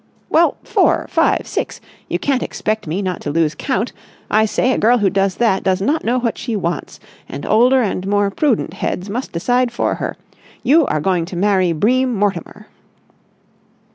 "Well, four—five—six—you can't expect me not to lose count.... I say a girl who does that does not know what she wants, and older and more prudent heads must decide for her. You are going to marry Bream Mortimer!"